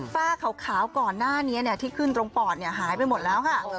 ฝ้าขาวก่อนหน้านี้ที่ขึ้นตรงปอดหายไปหมดแล้วค่ะ